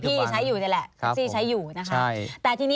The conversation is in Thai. ครับครับใช้อยู่นะคะใช่